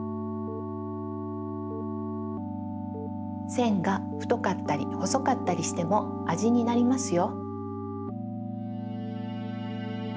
せんがふとかったりほそかったりしてもあじになりますよ。